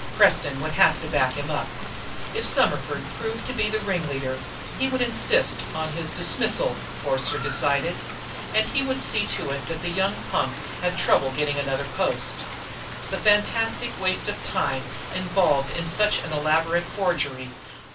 Preston would have to back him up. If Summerford proved to be the ringleader, he would insist on his dismissal, Forster decided. And he would see to it that the young punk had trouble getting another post. The fantastic waste of time involved in such an elaborate forgery